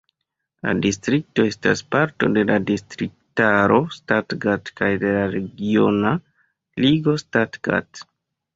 La distrikto estas parto de la distriktaro Stuttgart kaj de la regiona ligo Stuttgart.